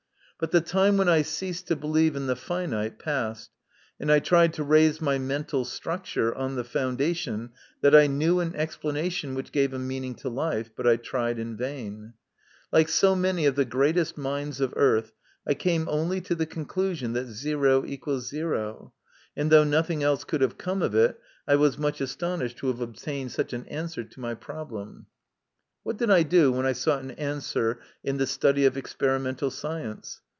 But the time when I ceased to believe in the finite passed, and I tried to raise my mental structure on the foundation that I knew an explanation which gave a meaning to life, but I tried in vain. Like so many of the greatest minds of earth, I came only to the conclusion that = 0, and, though nothing else could have come of it, I was much astonished to have obtained such an answer to my problem. What did I do when I sought an answer in the study of experimental science